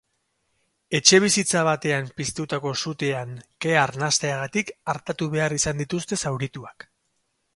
Etxebizitza batean piztutako sutean kea arnasteagatik artatu behar izan dituzte zaurituak.